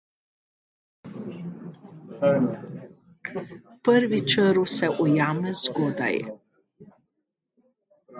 Prvi črv se ujame zgodaj.